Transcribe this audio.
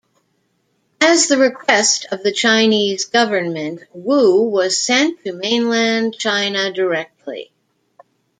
As the request of the Chinese Government Wu was sent to mainland China directly.